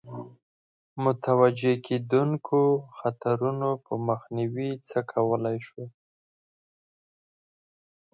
متوجه کېدونکو خطرونو په مخنیوي څه کولای شي.